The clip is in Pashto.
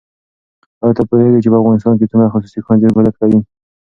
ایا ته پوهېږې چې په افغانستان کې څومره خصوصي ښوونځي فعالیت کوي؟